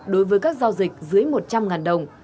đối với các giao dịch dưới một trăm linh đồng